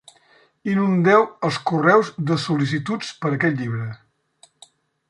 Inundeu els correus de sol·licituds per aquest llibre.